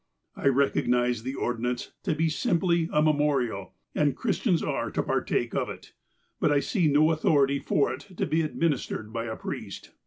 I recognize the ordinance to be simply a memorial, and Christians are to partake of it — but I see no authority for it to be administered by a priest.